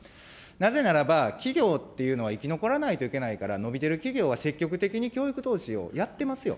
なぜならば企業っていうのは生き残らないといけないから、伸びてる企業は積極的に教育投資をやってますよ。